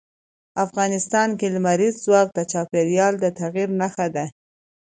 افغانستان کې لمریز ځواک د چاپېریال د تغیر نښه ده.